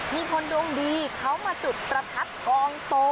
มีคนดวงดีเขามาจุดประทัดกองโต